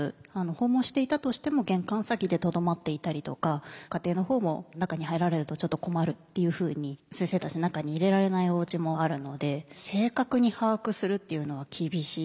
訪問していたとしても玄関先でとどまっていたりとか家庭の方も中に入られるとちょっと困るっていうふうに先生たちを中に入れられないおうちもあるのでお忙しい中でね。